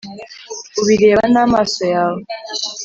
ubireba n’amaso yawe.